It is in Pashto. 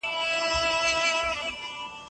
که انټرنیټي اسانتیا وي نو استعدادونه نه وژل کیږي.